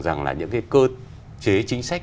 rằng những cơ chế chính sách